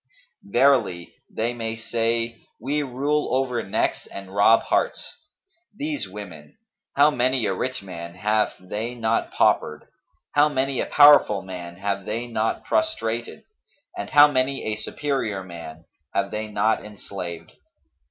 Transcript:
Verily, they may say, 'We rule over necks and rob hearts.' These women! how many a rich man have they not paupered, how many a powerful man have they not prostrated and how many a superior man have they not enslaved!